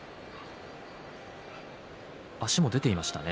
足も出ていましたね。